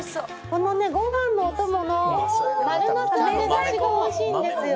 このご飯のお供の丸茄子揚げ浸しがおいしいんですよ。